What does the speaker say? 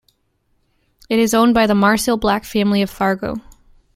It is owned by the Marcil-Black family of Fargo.